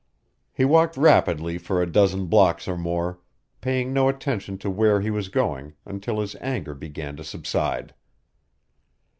He walked rapidly for a dozen blocks or more, paying no attention to where he was going, until his anger began to subside.